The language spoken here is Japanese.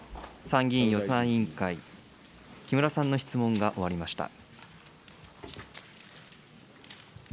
参議院予算委員会、木村さんの質問が終わりました。